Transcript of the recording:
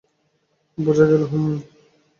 বোঝা গেল, হুম?